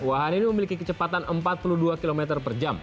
wahan ini memiliki kecepatan empat puluh dua km per jam